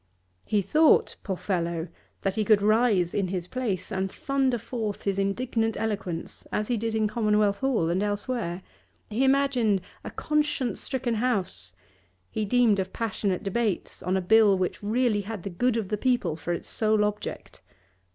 He thought, poor fellow! that he could rise in his place and thunder forth his indignant eloquence as he did in Commonwealth Hall and elsewhere; he imagined a conscience stricken House, he dreamed of passionate debates on a Bill which really had the good of the people for its sole object.